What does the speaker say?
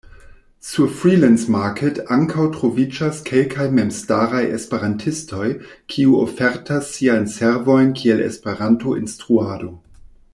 Sur Freelance-Market ankaŭ troviĝas kelkaj memstaraj Esperantistoj kiu ofertas siajn servojn kiel Esperanto-instruado.